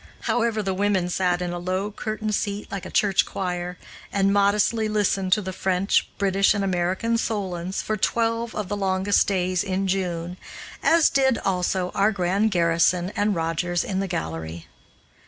However, the women sat in a low curtained seat like a church choir, and modestly listened to the French, British, and American Solons for twelve of the longest days in June, as did, also, our grand Garrison and Rogers in the gallery.